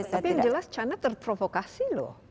tapi yang jelas china terprovokasi loh